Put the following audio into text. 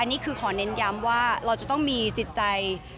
นี่คือขอเน้นย้ำว่าเราจะต้องมีจิตใจ